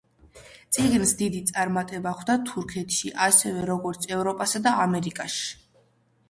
წიგნს დიდი წარმატება ხვდა თურქეთში ისევე როგორც ევროპასა და ამერიკაში.